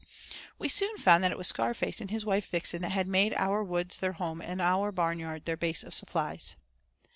We soon found that it was Scarface and his wife Vixen that had made our woods their home and our barnyard their base of supplies.